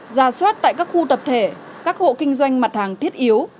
ra soát tại các khu tập thể các hộ kinh doanh mặt hàng thiết yếu